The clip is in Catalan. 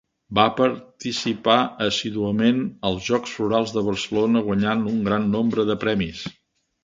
Va participar assíduament als Jocs Florals de Barcelona, guanyant un gran nombre de premis.